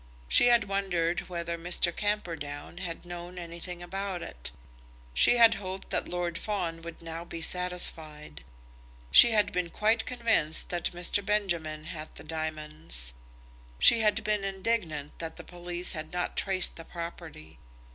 She had wondered whether Mr. Camperdown had known anything about it. She had hoped that Lord Fawn would now be satisfied. She had been quite convinced that Mr. Benjamin had the diamonds. She had been indignant that the police had not traced the property.